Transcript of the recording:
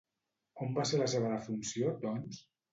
On va ser la seva defunció, doncs?